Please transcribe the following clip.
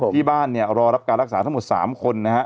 ที่บ้านเนี่ยรอรับการรักษาทั้งหมด๓คนนะฮะ